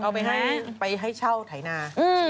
เอาไปให้เช่าไถนา